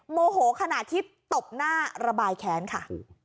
โมโหขณะที่ตบหน้าระบายแค้นค่ะ